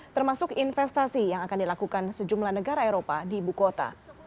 termasuk investasi yang akan dilakukan sejumlah negara eropa di ibu kota